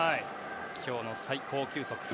今日の最高球速。